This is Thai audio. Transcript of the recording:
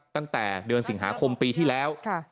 ตั้งแต่เดือนสิงหาคมปีที่แล้ว